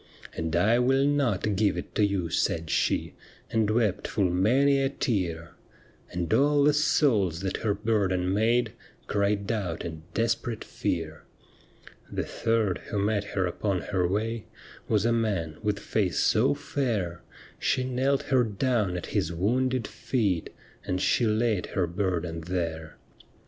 ' And I will not give it to you,' said she. And wept full many a tear; And all the souls that her burden made Cried out in desperate fear. The third who met her upon her way Was a man with face so fair, She knelt her down at His wounded feet. And she laid her burden there.